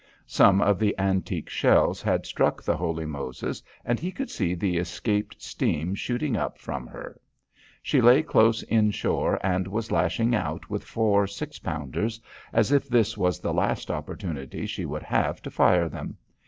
Some of the antique shells had struck the Holy Moses and he could see the escaped steam shooting up from her. She lay close inshore and was lashing out with four six pounders as if this was the last opportunity she would have to fire them.